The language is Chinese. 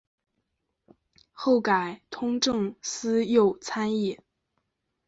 后改通政司右参议。